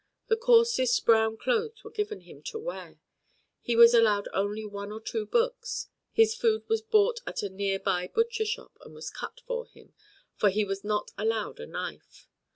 The coarsest brown clothes were given him to wear. He was allowed only one or two books. His food was bought at a near by butcher shop, and was cut for him, for he was not allowed a knife.